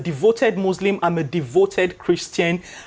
dia seorang muslim yang terbukti dan saya seorang kristian yang terbukti